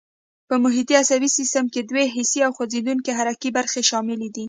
په محیطي عصبي سیستم کې دوې حسي او خوځېدونکي حرکي برخې شاملې دي.